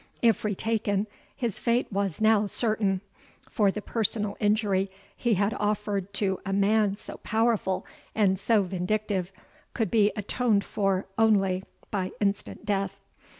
If retaken, his fate was now certain; for the personal injury he had offered to a man so powerful and so vindictive, could be atoned for only by instant death.